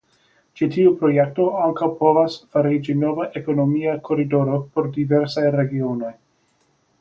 Ĉi tiu projekto ankaŭ povas fariĝi nova ekonomia koridoro por diversaj regionoj.